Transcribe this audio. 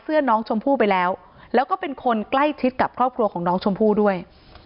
น้องชมพู่ไปแล้วแล้วก็เป็นคนใกล้ชิดกับครอบครัวของน้องชมพู่ด้วย